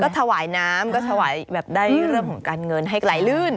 ถวายน้ำก็ถวายแบบได้เรื่องของการเงินให้ไกลลื่น